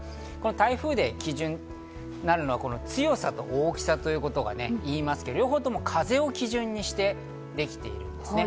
台風で基準になるのは強さと大きさと言いますが、両方とも風を基準にしてできているんですね。